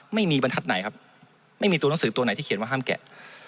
บรรทัศน์ไหนครับไม่มีตัวหนังสือตัวไหนที่เขียนว่าห้ามแกะ